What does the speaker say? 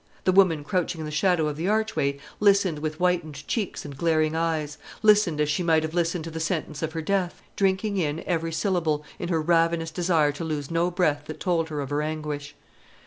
The woman crouching in the shadow of the archway listened with whitened cheeks and glaring eyes; listened as she might have listened to the sentence of her death, drinking in every syllable, in her ravenous desire to lose no breath that told her of her anguish.